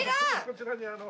こちらにあの。